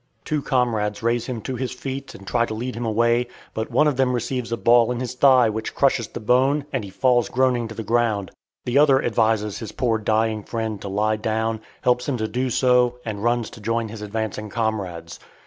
Two comrades raise him to his feet and try to lead him away, but one of them receives a ball in his thigh which crushes the bone, and he falls groaning to the ground. The other advises his poor dying friend to lie down, helps him to do so, and runs to join his advancing comrades.